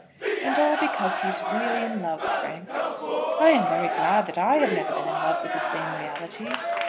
"And all because he is really in love, Frank." "I am very glad that I have never been in love with the same reality."